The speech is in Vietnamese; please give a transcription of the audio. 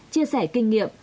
chia sẻ kinh nghiệm